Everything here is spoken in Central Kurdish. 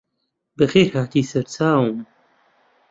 بەخێرهاتی سەرچاوم